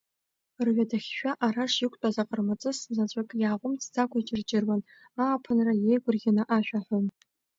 Рҩадахьшәа араш иқәтәаз аҟармаҵыс заҵәык иааҟәымҵӡакәа иҷырҷыруан, ааԥынра иеигәырӷьаны ашәа аҳәон.